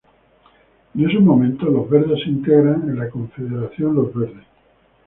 En esos momentos Los Verdes se integran en la Confederación Los Verdes.